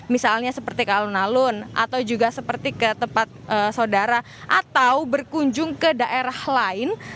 misalnya seperti ke alun alun atau juga seperti ke tempat saudara atau berkunjung ke daerah lain